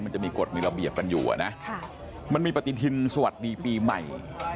มันจะมีกฎมีระเบียบกันอยู่นะมันมีปฏิทินสวัสดีปีใหม่